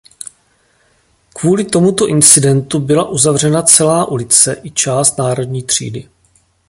Kvůli tomuto incidentu byla uzavřena celá ulice i část Národní třídy.